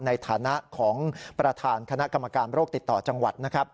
ในฐานะของประธานคณะกรรมการโรคติดต่อจังหวัดนะครับ